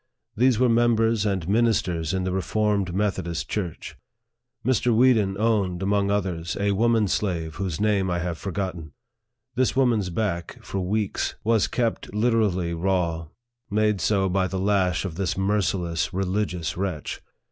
These were members and ministers in the Reformed Methodist Church. Mr. Weeden owned, among others, a woman slave, whose name I have forgotten. This woman's back, for weeks, was kept literally raw, made so by the lash of this merciless, religious wretch.